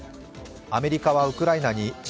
アメリカはウクライナに地